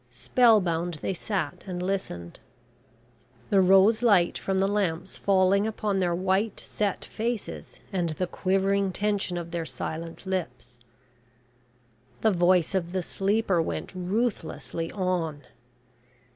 Spell bound they sat and listened. The rose light from the lamps falling upon their white, set faces, and the quivering tension of their silent lips. The voice of the sleeper went ruthlessly on.